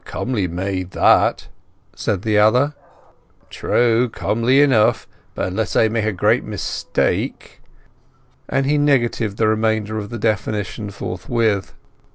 "A comely maid that," said the other. "True, comely enough. But unless I make a great mistake—" And he negatived the remainder of the definition forthwith.